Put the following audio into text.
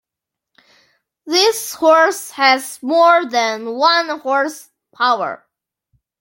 This horse has more than one horse power.